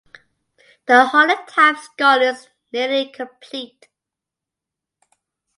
The holotype skull is nearly complete.